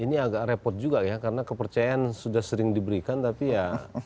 ini agak repot juga ya karena kepercayaan sudah sering diberikan tapi ya